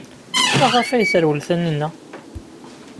Maɣef ay terwel Taninna?